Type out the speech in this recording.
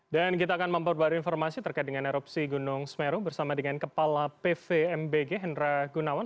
dan kita akan memperbarui informasi terkait dengan erupsi gunung smeru bersama dengan kepala pvmbg hendra gunawan